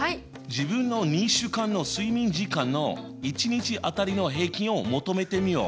自分の２週間の睡眠時間の１日当たりの平均を求めてみよう！